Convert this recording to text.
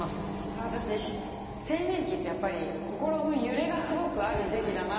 これ私青年期ってやっぱり心の揺れがすごくある時期だなって。